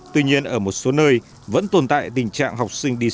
tuy nhiên ở một số nơi vẫn tồn tại tình trạng học sinh đi xa